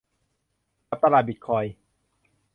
กับตลาดบิตคอยน์